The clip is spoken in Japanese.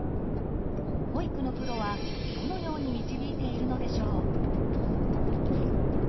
保育のプロはどのように導いているのでしょう？